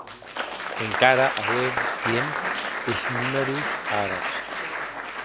Encara aué tiem es numeros arabs.